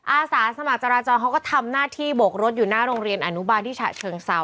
อาสาสมัครจราจรเขาก็ทำหน้าที่โบกรถอยู่หน้าโรงเรียนอนุบาลที่ฉะเชิงเซา